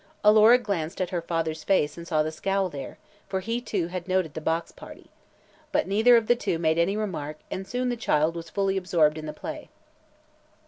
Alora glanced at her father's face and saw the scowl there, for he, too, had noted the box party. But neither of the two made any remark and soon the child was fully absorbed in the play.